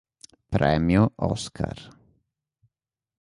Premio Oscar.